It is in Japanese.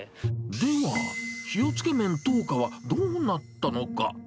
では、塩つけ麺灯花はどうなったのか？